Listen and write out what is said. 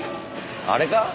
あれか？